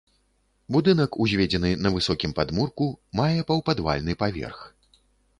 Будынак узведзены на высокім падмурку, мае паўпадвальны паверх.